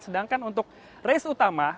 sedangkan untuk race utama